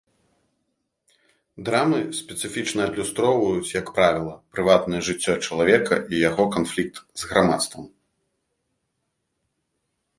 Драмы спецыфічна адлюстроўваюць, як правіла, прыватнае жыццё чалавека і яго канфлікт з грамадствам.